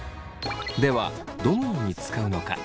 ではどのように使うのか。